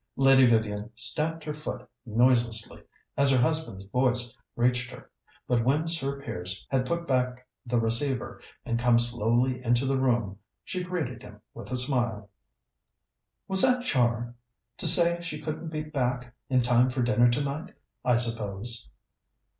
Lady Vivian stamped her foot noiselessly as her husband's voice reached her; but when Sir Piers had put back the receiver and come slowly into the room, she greeted him with a smile. "Was that Char? To say she couldn't be back in time for dinner tonight, I suppose?"